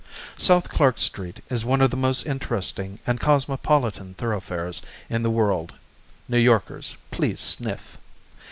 South Clark Street is one of the most interesting and cosmopolitan thoroughfares in the world (New Yorkers please sniff).